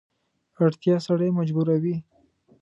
اړتیا سړی مجبوروي.